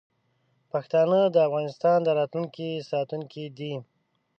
پښتانه د افغانستان د راتلونکي ساتونکي دي.